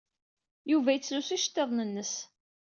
Yuba yettlusu iceḍḍiḍen-nnes.